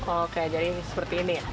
oke jadi seperti ini ya